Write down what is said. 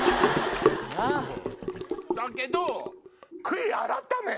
だけど悔い改め。